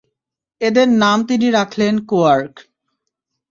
এদের নাম তিনি রাখলেন কোয়ার্ক।